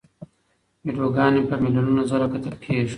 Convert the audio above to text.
ویډیوګانې په میلیونو ځله کتل کېږي.